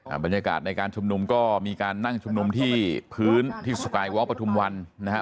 บรรยากาศในการชุมนุมก็มีการนั่งชุมนุมที่พื้นที่สกายวอล์ประทุมวันนะฮะ